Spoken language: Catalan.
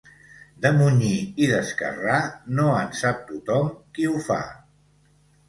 De munyir i d'esquerrar, no en sap tothom qui ho fa.